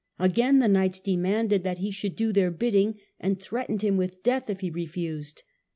Again the knights de manded that he should do their bidding, and threatened him with death if he refused.